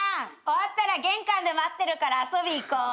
終わったら玄関で待ってるから遊び行こう。